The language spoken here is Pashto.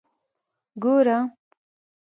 ګوره.